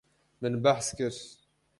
Min behs kir.